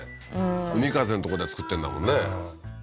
海風のとこで作ってんだもんね